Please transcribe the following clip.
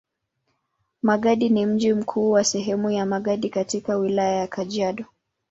Magadi ni mji mkuu wa sehemu ya Magadi katika Wilaya ya Kajiado.